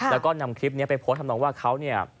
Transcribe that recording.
แล้วก็นำคลิปนี้ไปโพสต์ทำนองว่าเขาเนี่ย